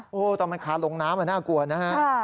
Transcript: โอ้โหตอนมันคาลงน้ำมันน่ากลัวนะฮะ